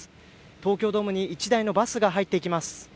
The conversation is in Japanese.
東京ドームに１台のバスが入っていきます。